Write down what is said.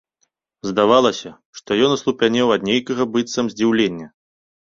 Здавалася, што ён аслупянеў ад нейкага быццам здзіўлення.